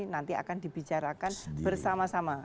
nanti akan dibicarakan bersama sama